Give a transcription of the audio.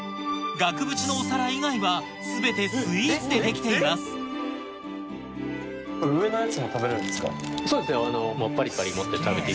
額縁のお皿以外は全てスイーツで出来ていますそうですね